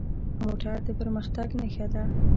موټر د پرمختګ نښه ده.